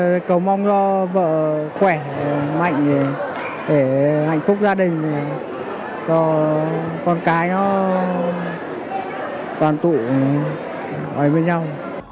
thì mình cố mong cho vợ khỏe mạnh hạnh phúc gia đình cho con cái nó toàn tụi với nhau